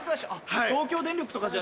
東京電力とかじゃ。